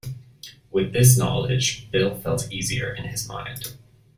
With this knowledge, Bill felt easier in his mind.